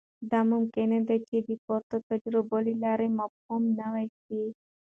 دا ممکنه ده چې د پورته تجربو له لارې مفاهیم نوي سي.